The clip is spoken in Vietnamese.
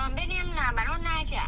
bên em là bán hotline chị ạ